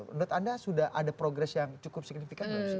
menurut anda sudah ada progress yang cukup signifikan